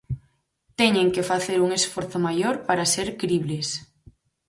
Teñen que facer un esforzo maior para ser cribles.